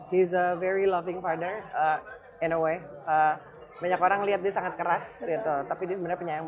his a very loving father in a way banyak orang lihat di sangat keras gitu tapi di bener penyayang